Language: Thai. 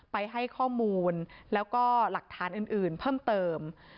ไปให้ข้อมูลแล้วก็หลักฐานอื่นเพิ่มเติม